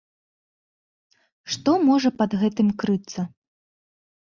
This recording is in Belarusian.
Што можа пад гэтым крыцца?